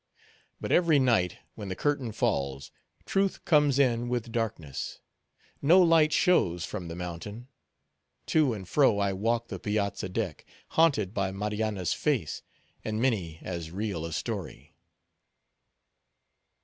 But, every night, when the curtain falls, truth comes in with darkness. No light shows from the mountain. To and fro I walk the piazza deck, haunted by Marianna's face, and many as real a story.